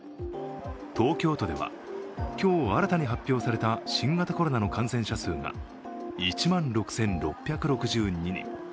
東京都では今日新たに発表された新型コロナの感染者数が１万６６６２人。